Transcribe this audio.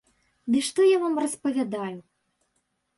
Ды што я вам распавядаю?